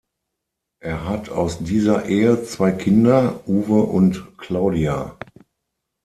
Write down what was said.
Er hat aus dieser Ehe zwei Kinder, Uwe und Claudia.